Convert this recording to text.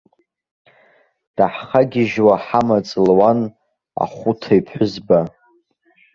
Даҳхагьежьуа ҳамаҵ луан ахәыҭаҩ ԥҳәызба.